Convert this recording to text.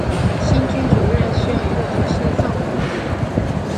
新君主仍然需要一个合适的丈夫。